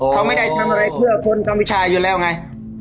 เขาไม่ได้ทำอะไรเพื่อคนกัมพิชาอยู่แล้วไง